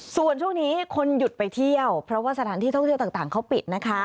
ส่วนช่วงนี้คนหยุดไปเที่ยวเพราะว่าสถานที่ท่องเที่ยวต่างเขาปิดนะคะ